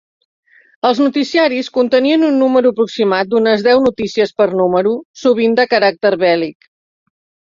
Els noticiaris contenien un número aproximat d’unes deu notícies per número, sovint de caràcter bèl·lic.